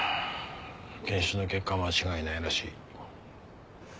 検視の結果間違いないらしい。